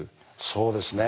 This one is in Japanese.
そうですね。